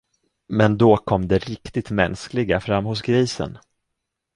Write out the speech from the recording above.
Men då kom det riktigt mänskliga fram hos grisen.